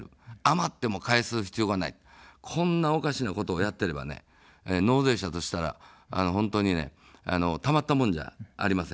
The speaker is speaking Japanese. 余っても返す必要がない、こんなおかしなことをやってれば納税者としたら本当にたまったもんじゃありません。